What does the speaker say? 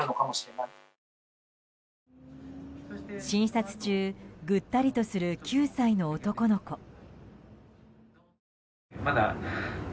診察中、ぐったりとする９歳の男の子。